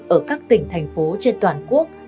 ở các tỉnh thành phố trên toàn quốc